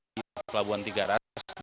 di pelabuhan tiga ras